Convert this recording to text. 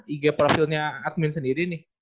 ig profile nya admin sendiri nih